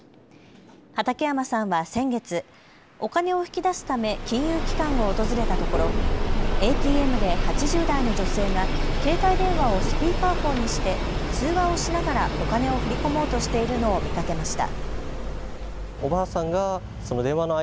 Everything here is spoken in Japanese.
畠山さんは先月、お金を引き出すため金融機関を訪れたところＡＴＭで８０代の女性が携帯電話をスピーカーフォンにして通話をしながらお金を振り込もうとしているのを見かけました。